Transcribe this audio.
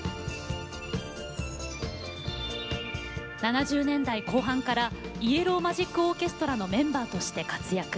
７０年代後半からイエロー・マジック・オーケストラのメンバーとして活躍。